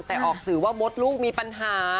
แต่ออกสื่อว่ามดลูกมีปัญหา